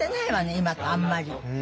今とあんまり。